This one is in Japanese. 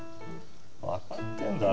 わかってんだろ。